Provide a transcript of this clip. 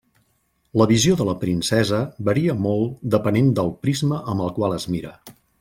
La visió de la princesa varia molt depenent del prisma amb el qual es mira.